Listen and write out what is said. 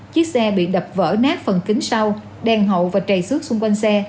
chiếc xe bị đập vỡ nát phần kính sau đèn hậu và chảy xước xung quanh xe